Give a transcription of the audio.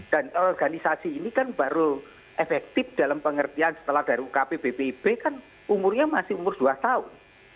dan organisasi ini kan baru efektif dalam pengertian setelah dari ukp bpp kan umurnya masih umur dua tahun